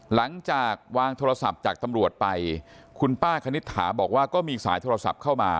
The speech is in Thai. หลังจากวางโทรศัพท์จากตำรวจไปคุณป้าคณิตถาบอกว่าก็มีสายโทรศัพท์เข้ามา